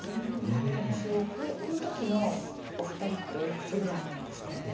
この時のお二人っておいくつぐらいなんですかね？